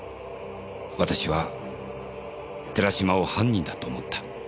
私は寺島を犯人だと思った。